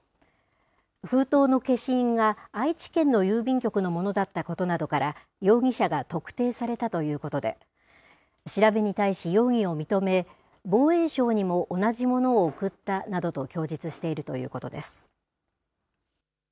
封筒の消印が愛知県の郵便局のものだったことなどから、容疑者が特定されたということで、調べに対し、容疑を認め、防衛省にも同じものを送ったなどと供述しているということです。